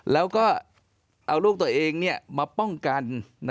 แล้วก็เอาลูกตัวเองมาป้องกัน